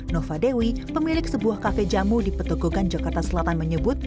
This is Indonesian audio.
nova dewi pemilik sebuah kafe jamu di petokogan jakarta selatan menyebut